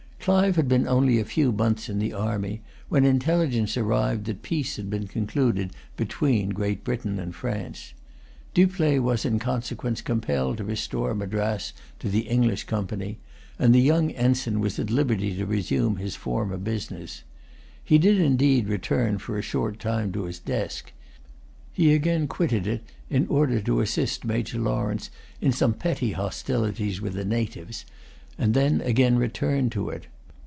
Clive had been only a few months in the army when intelligence arrived that peace had been concluded between Great Britain and France. Dupleix was in consequence compelled to restore Madras to the English Company; and the young ensign was at liberty to resume his former business. He did indeed return for a short time to his desk. He again quitted it in order to assist Major Lawrence in some petty hostilities with the natives, and then again returned to it.